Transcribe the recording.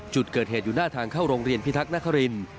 จุดเกิดเหตุอยู่หน้าทางเข้าโรงเรียนพิทักษ์นคริน